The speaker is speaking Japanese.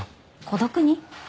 孤独に？